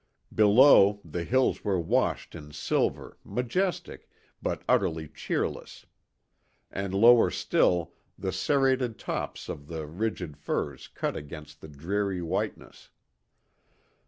Below, the hills were washed in silver, majestic, but utterly cheerless; and lower still the serrated tops of the rigid firs cut against the dreary whiteness.